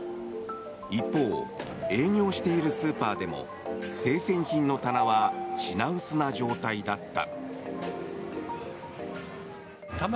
一方、営業しているスーパーでも生鮮品の棚は品薄な状態だった。